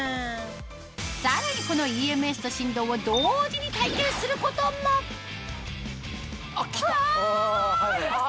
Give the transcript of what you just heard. さらにこのＥＭＳと振動を同時に体験することもあっ来た。